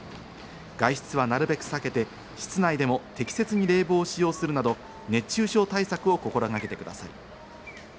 外出はなるべく避けて、室内でも適切に冷房を使用するなど、熱中症対策を心がけてください。